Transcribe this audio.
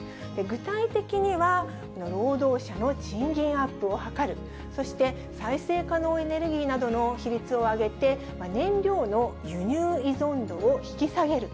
具体的には労働者の賃金アップを図る、そして再生可能エネルギーなどの比率を上げて、燃料の輸入依存度を引き下げる。